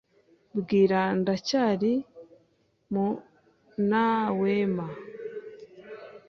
Bwira Ndacyari mu nawema.